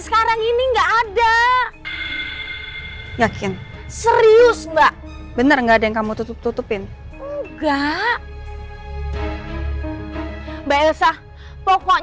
kamu ngerti kan